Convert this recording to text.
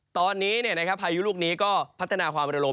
ตอนนี้พายุลูกนี้ก็พัฒนาความระลม